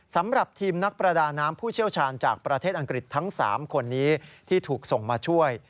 สำหรับทีมนักประดาน้ำผู้เชี่ยวชาญจากประเทศอังกฤษทั้ง๓คนนี้ที่ถูกส่งมาช่วย